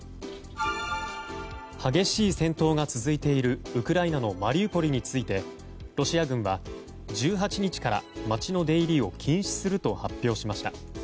激しい戦闘が続いているウクライナのマリウポリについてロシア軍は１８日から街の出入りを禁止すると発表しました。